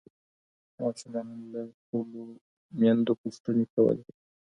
ماشومانو له خپلو میندو پوښتني کولي.